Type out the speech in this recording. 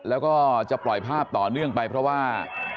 แล้วก็จะปล่อยภาพต่อเนื่องไปเพราะว่า